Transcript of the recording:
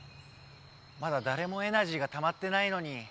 まだだれもエナジーがたまってないのに。